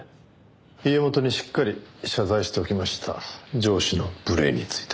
家元にしっかり謝罪しておきました上司の無礼について。